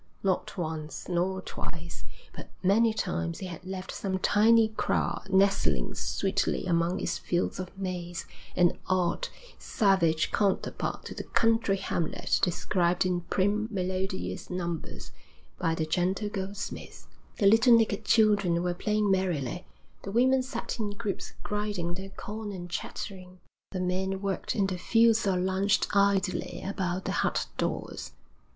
Not once, nor twice, but many times he had left some tiny kraal nestling sweetly among its fields of maize, an odd, savage counterpart to the country hamlet described in prim, melodious numbers by the gentle Goldsmith: the little naked children were playing merrily; the women sat in groups grinding their corn and chattering; the men worked in the fields or lounged idly about the hut doors.